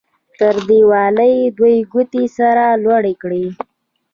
تر دیوالۍ دوې ګوتې سر لوړ کړه.